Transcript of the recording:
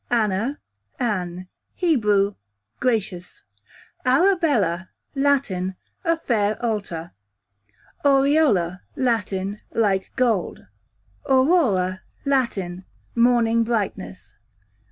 Anna / Anne, Hebrew, gracious. Arabella, Latin, a fair altar. Aureola, Latin, like gold. Aurora, Latin, morning brightness.